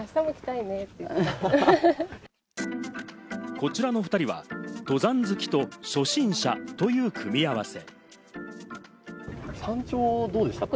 こちらの２人は登山好きと初心者という組み合わせ。